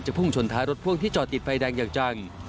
พุ่งชนท้ายรถพ่วงที่จอดติดไฟแดงอย่างจัง